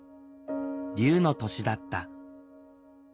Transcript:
竜の年だった。